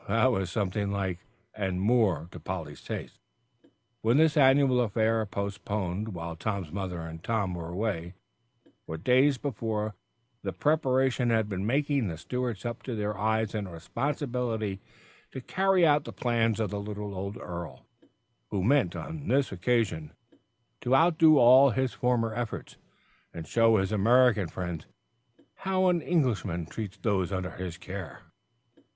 that was something like, and more to Polly's taste, when this annual affair, postponed while Tom's mother and Tom were away, took place. For days before, the preparations had been making, the stewards up to their eyes in responsibility to carry out the plans of the little old earl, who meant on this occasion to outdo all his former efforts, and show his American friends how an Englishman treats those under his care.